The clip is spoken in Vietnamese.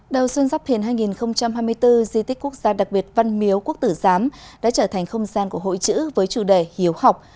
đầu xuân giáp thiền hai nghìn hai mươi bốn di tích quốc gia đặc biệt văn miếu quốc tử giám đã trở thành không gian của hội chữ với chủ đề hiếu học